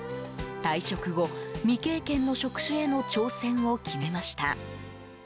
退職後、未経験の職種への挑戦を決めました。